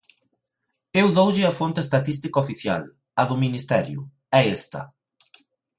Eu doulle a fonte estatística oficial, a do ministerio, é esta.